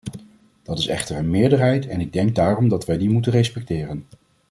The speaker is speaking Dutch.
Dat is echter een meerderheid en ik denk daarom dat wij die moeten respecteren.